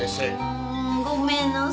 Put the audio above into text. うーん。ごめんなさい。